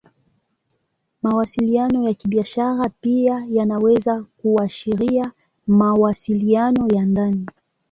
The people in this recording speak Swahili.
Mawasiliano ya Kibiashara pia yanaweza kuashiria mawasiliano ya ndani.